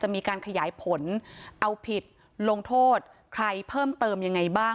มีการขยายผลเอาผิดลงโทษใครเพิ่มเติมยังไงบ้าง